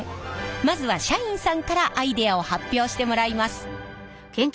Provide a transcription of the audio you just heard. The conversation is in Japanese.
まずは社員さんからアイデアを発表してもらいます。